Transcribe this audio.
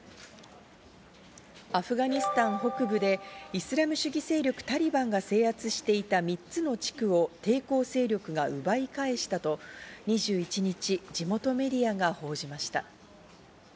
アフガニスタン北部でイスラム主義勢力・タリバンが制圧していた３つの地区を抵抗勢力が奪い返したと２１日、地元メディアが報じました。